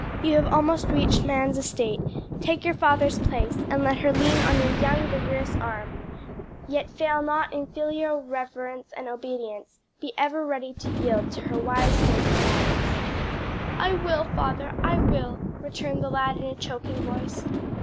You have almost reached man's estate; take your father's place, and let her lean on your young, vigorous arm; yet fail not in filial reverence and obedience; be ever ready to yield to her wise, gentle guidance." "I will, father, I will," returned the lad in a choking voice.